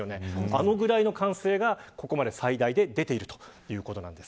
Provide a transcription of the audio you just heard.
あれぐらいの歓声が最大で出ているということです。